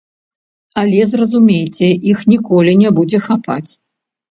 Але, зразумейце, іх ніколі не будзе хапаць!